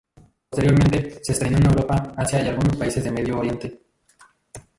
Posteriormente, se estrenó en Europa, Asia y algunos países de Medio Oriente.